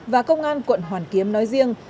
và công an quận hoàn kiếm nói riêng